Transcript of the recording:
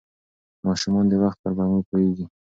ماشومان د وخت پر مفهوم پوهېږي.